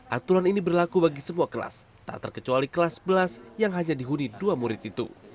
aturan ini berlaku bagi semua kelas tak terkecuali kelas sebelas yang hanya dihuni dua murid itu